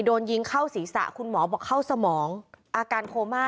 โดนยิงเข้าศีรษะคุณหมอบอกเข้าสมองอาการโคม่า